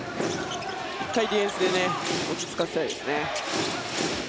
１回ディフェンスで落ち着かせたいですね。